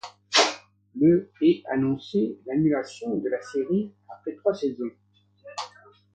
Le est annoncé l'annulation de la série après trois saisons.